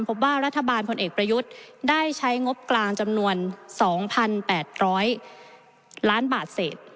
พบว่ารัฐบาลพลเอกประยุทธ์ได้ใช้งบกลางจำนวน๒๘๐๐ล้านบาทเศษ